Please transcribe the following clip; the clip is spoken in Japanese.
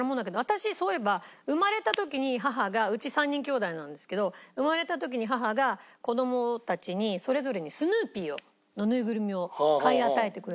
私そういえば生まれた時に母がうち３人きょうだいなんですけど生まれた時に母が子供たちにそれぞれにスヌーピーのぬいぐるみを買い与えてくれて。